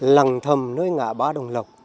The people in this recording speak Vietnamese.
lằng thầm nơi ngã ba đồng lộc